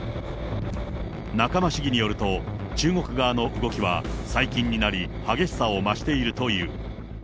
仲間市議によると、中国側の動きは最近になり、激しさを増しているという。